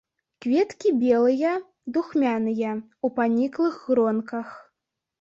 Кветкі белыя, духмяныя, у паніклых гронках.